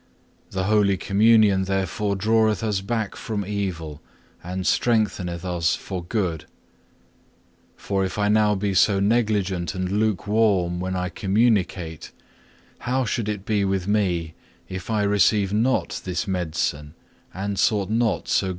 The Holy Communion therefore draweth us back from evil, and strengtheneth us for good. For if I now be so negligent and lukewarm when I communicate [or celebrate], how should it be with me, if I receive not this medicine, and sought not so great a help?